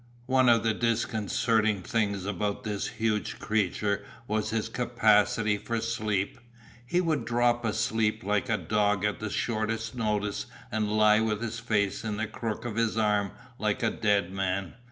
One of the disconcerting things about this huge creature was his capacity for sleep. He would drop asleep like a dog at the shortest notice and lie with his face in the crook of his arm like a dead man.